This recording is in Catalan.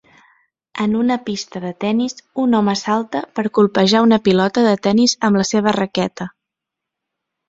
En una pista de tennis, un home salta per colpejar una pilota de tennis amb la seva raqueta.